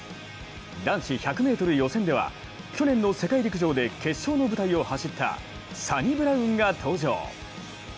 男子１００ｍ予選では去年の世界陸上で決勝の舞台を走ったサニブラウンが登場。